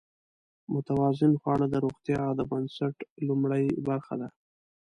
متوازن خواړه د روغتیا د بنسټ لومړۍ برخه ده.